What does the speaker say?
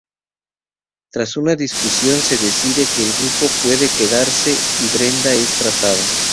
Tras una discusión, se decide que el grupo puede quedarse, y Brenda es tratada.